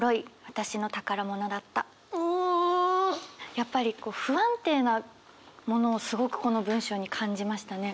やっぱり不安定なものをすごくこの文章に感じましたね。